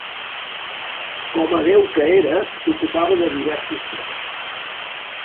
Com a déu que era, s'ocupava de diversos temes.